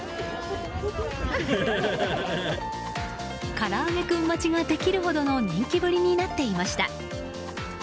からあげクン待ちができるほどの人気ぶりになっていました。